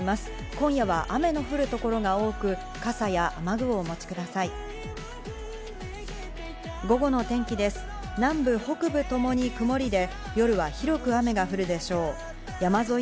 今夜は雨の降る所が多く、傘や雨具をお持ちください。